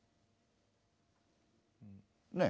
ねえ？